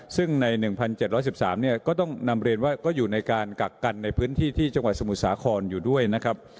ซึ่งในหนึ่งพันเจ็ดร้อยสิบสามเนี้ยก็ต้องนำเรียนว่าก็อยู่ในการกักกันในพื้นที่ที่จังหวัดสมุทรสาครอยู่ด้วยนะครับ